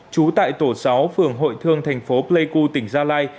trú tại tổ sáu phường hội thương thành phố pleiku tỉnh gia lai